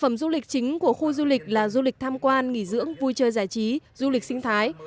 một khu du lịch là du lịch tham quan nghỉ dưỡng vui chơi giải trí du lịch sinh thái